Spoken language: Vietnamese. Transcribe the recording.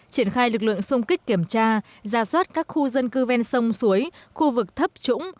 triển khai lực lượng xung kích kiểm tra ra soát các khu dân cư ven sông suối khu vực thấp trũng